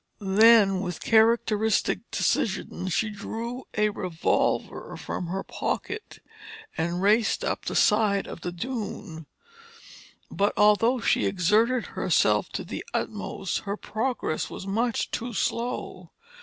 Then with characteristic decision, she drew a revolver from her pocket and raced up the side of the dune. But although she exerted herself to the utmost, her progress was much too slow.